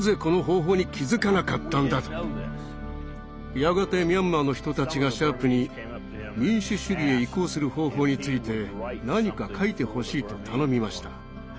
やがてミャンマーの人たちがシャープに民主主義へ移行する方法について何か書いてほしいと頼みました。